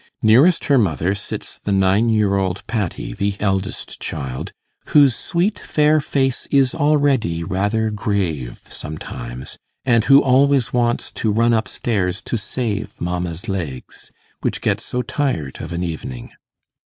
Nearest her mother sits the nine year old Patty, the eldest child, whose sweet fair face is already rather grave sometimes, and who always wants to run up stairs to save mamma's legs, which get so tired of an evening.